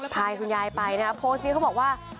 พาคุณยายไปนะครับโพสต์นี้เขาบอกว่า